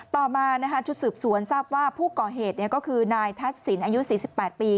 ต่อมาชุดสืบสวนทราบว่าผู้ก่อเหตุก็คือนายทัศนอายุ๔๘ปี